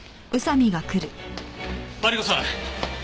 マリコさん！